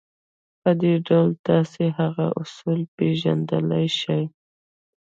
په دې ډول تاسې هغه اصول پېژندلای شئ.